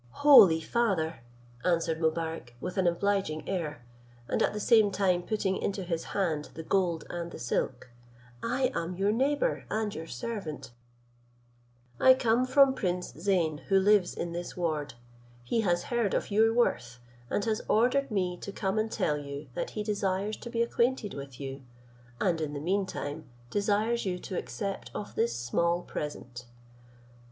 "Holy father," answered Mobarec with an obliging air, and at the same time putting into his hand the gold and the silk, "I am your neighbour and your servant: I come from prince Zeyn, who lives in this ward: he has heard of your worth, and has ordered me to come and tell you, that he desires to be acquainted with you, and in the mean time desires you to accept of this small present."